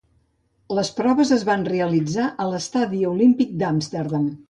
Les proves es van realitzar a l'Estadi Olímpic d'Amsterdam.